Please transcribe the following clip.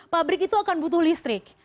pabrik itu akan butuh listrik